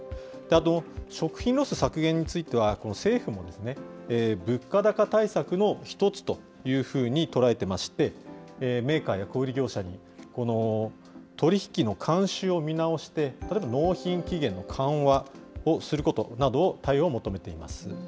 食品ロス削減については、政府も物価高対策の１つというふうに捉えてまして、メーカーや小売り業者に取り引きの慣習を見直して、例えば納品期限の緩和をすることなどを、対応を求めています。